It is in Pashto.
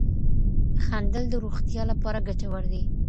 خندل د روغتیا لپاره ګټور دي.